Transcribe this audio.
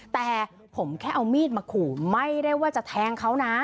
แต่ผมแค่เอามีดมาขู่ไม่ได้ว่าจะแทงเขานะ